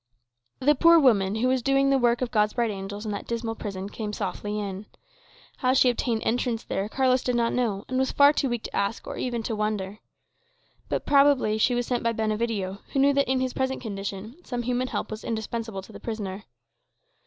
The poor woman, who was doing the work of God's bright angels in that dismal prison, came softly in. How she obtained entrance there Carlos did not know, and was far too weak to ask, or even to wonder. But probably she was sent by Benevidio, who knew that, in his present condition, some human help was indispensable to the prisoner.